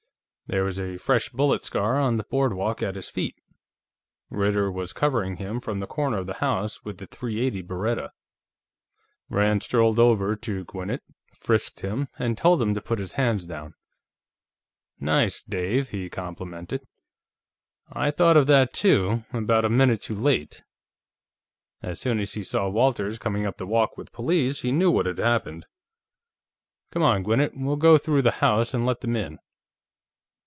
There was a fresh bullet scar on the boardwalk at his feet. Ritter was covering him from the corner of the house with the .380 Beretta. Rand strolled over to Gwinnett, frisked him, and told him to put his hands down. "Nice, Dave," he complimented. "I thought of that, too, about a minute too late. As soon as he saw Walters coming up the walk with the police, he knew what had happened. Come on, Gwinnett; we'll go through the house and let them in."